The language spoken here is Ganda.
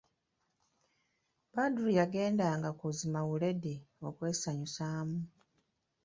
Badru yagendanga ku zimawuledi okwesanyusamu.